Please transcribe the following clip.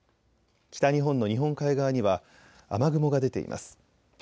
北日本の日本海側には雨雲が出ています。